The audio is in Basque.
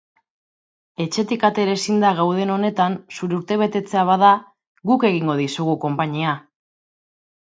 Etxetik atera ezinda gauden honetan zure urtebetetzea bada, guk egingo dizugu konpainia.